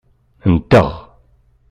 Nteɣ.